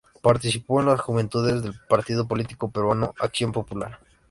Participó en las juventudes del partido político peruano Acción Popular.